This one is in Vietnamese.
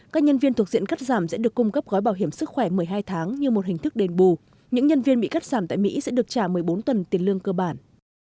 các nhân viên thuộc diện cắt giảm sẽ được cung cấp gói bảo hiểm sức khỏe một mươi hai tháng như một hình thức đền bù những nhân viên bị cắt giảm tại mỹ sẽ được trả một mươi bốn tuần tiền lương cơ bản